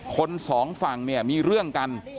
สองฝั่งเนี่ยมีเรื่องกัน